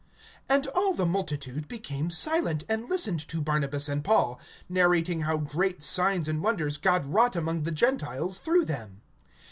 (12)And all the multitude became silent, and listened to Barnabas and Paul, narrating how great signs and wonders God wrought among the Gentiles through them.